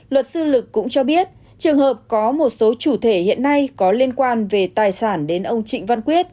luật sư lực cũng cho biết trường hợp có một số chủ thể hiện nay có liên quan về tài sản đến ông trịnh văn quyết